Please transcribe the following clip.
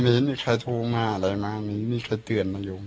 ก็ไม่เห็นมีใครถูกมาอะไรมาไม่เห็นมีใครเตือนมาโยม